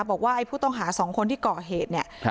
บอกว่าไอ้ผู้ต้องหาสองคนที่ก่อเหตุเนี่ย